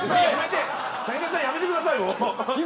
武田さん、やめてください。